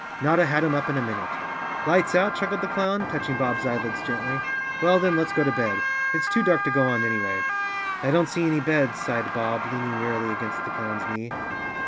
Notta had him up in a minute. "Lights out?" chuckled the clown, touching Bob's eyelids gently. "Well, then, let's go to bed. It's too dark to go on, anyway." "I don't see any beds," sighed Bob, leaning wearily against the clown's knee.